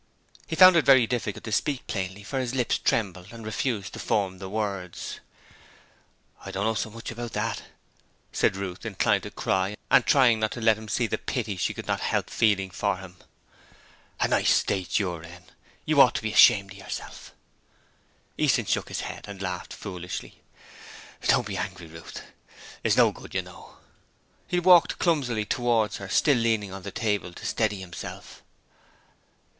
He found it very difficult to speak plainly, for his lips trembled and refused to form the words. 'I don't know so much about that,' said Ruth, inclined to cry and trying not to let him see the pity she could not help feeling for him. 'A nice state you're in. You ought to be ashamed of yourself.' Easton shook his head and laughed foolishly. 'Don't be angry, Ruth. It's no good, you know.' He walked clumsily towards her, still leaning on the table to steady himself.